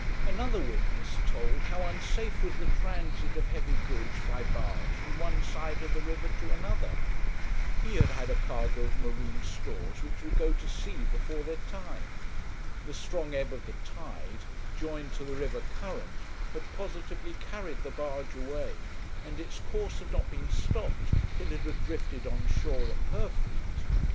Another witness told how unsafe was the transit of heavy goods by barge from one side of the river to another. He had had a cargo of marine stores which would go to sea before their time. The strong ebb of the tide, joined to the river current, had positively carried the barge away, and its course had not been stopped till it had drifted on shore at Purfleet.